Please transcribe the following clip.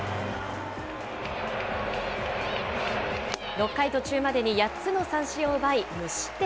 ６回途中までに８つの三振を奪い無失点。